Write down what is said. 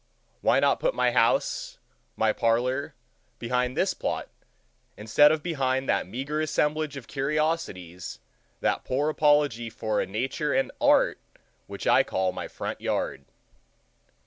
Why not put my house, my parlor, behind this plot, instead of behind that meager assemblage of curiosities, that poor apology for a Nature and art, which I call my front yard?